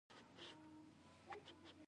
د خوړو د تېرېدو په مهال پوزې سوری بندېږي.